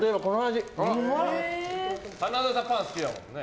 花澤さん、パン好きだもんね。